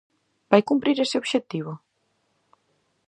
Vai cumprir ese obxectivo?